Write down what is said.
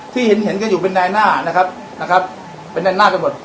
ที่เห็นเห็นกันอยู่เป็นนายหน้านะครับนะครับเป็นนายหน้าไปหมด